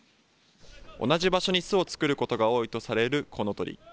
同じ場所に巣を作ることが多いとされるコウノトリ。